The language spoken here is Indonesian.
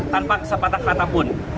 tanpa sepatah kata pun